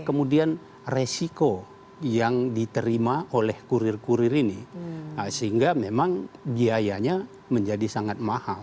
kemudian resiko yang diterima oleh kurir kurir ini sehingga memang biayanya menjadi sangat mahal